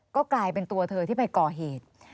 ก็กลายเป็นตัวเธอที่ไปก่อเหตุ